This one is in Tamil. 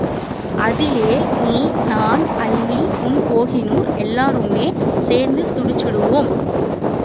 அதிலே நீ, நான், அல்லி, உன் கோஹினூர் எல்லாருமே சேர்ந்து நடிச்சிடுவோம்... ம்!